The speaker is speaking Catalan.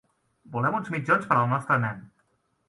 Volem uns mitjons per al nostre net.